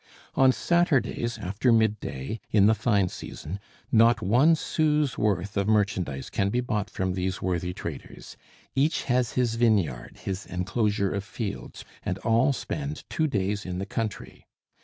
On Saturdays after midday, in the fine season, not one sou's worth of merchandise can be bought from these worthy traders. Each has his vineyard, his enclosure of fields, and all spend two days in the country.